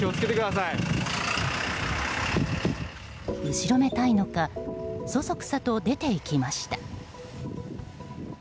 後ろめたいのかそそくさと出て行きました。